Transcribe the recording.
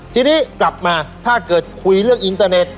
ทีนี้กลับมาถ้าเกิดคุยเรื่องอินเตอร์เน็ต